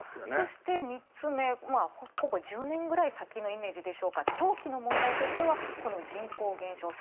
そして３つめ、ほぼ１０年くらい先のイメージでしょうか、長期の問題としては人口減少。